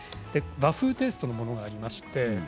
和風テイストのものもあります。